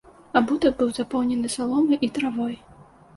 Абутак быў запоўнены саломай і травой.